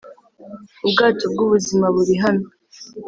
ubwato bw'ubuzima burihano,